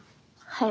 はい。